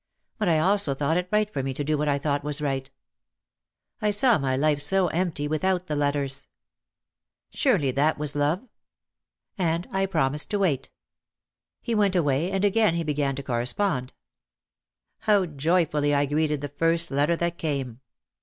But I also thought it right for me to do what I thought was right. I saw my life so empty without the letters. "Surely, that was love." And I promised to wait. He went away and again he began to correspond. How joyfully I greeted the first letter that came!